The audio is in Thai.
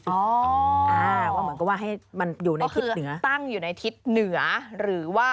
เหมือนก็ว่าให้มันอยู่ในทิศเหนือ